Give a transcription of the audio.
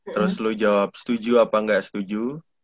terus lu jawab setuju apa ga setuju